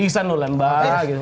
isan nulembara gitu